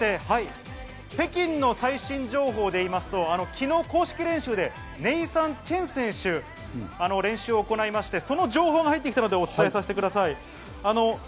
北京の最新情報でいいますと、昨日、公式練習でネイサン・チェン選手、練習を行いまして、その情報が入ってきたので伝えさせてください。